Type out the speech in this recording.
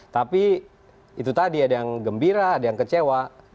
tapi itu tadi ada yang gembira ada yang kecewa